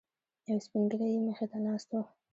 یو سپینږیری یې مخې ته ناست و.